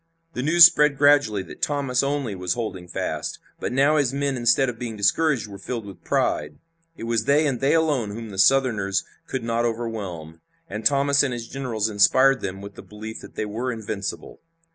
The news spread gradually that Thomas only was holding fast, but now his men instead of being discouraged were filled with pride. It was they and they alone whom the Southerners could not overwhelm, and Thomas and his generals inspired them with the belief that they were invincible.